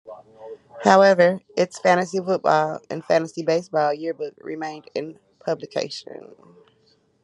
However, its Fantasy Football and Fantasy Baseball yearbooks remained in publication.